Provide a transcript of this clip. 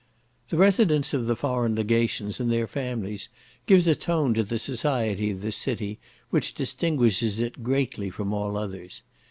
The residence of the foreign legations and their families gives a tone to the society of this city which distinguishes it greatly from all others.